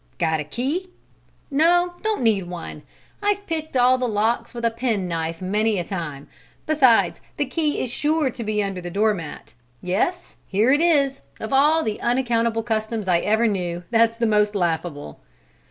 "Got a key?" "No, don't need one. I've picked all the locks with a penknife many a time. Besides, the key is sure to be under the doormat. Yes, here it is! Of all the unaccountable customs I ever knew, that's the most laughable!"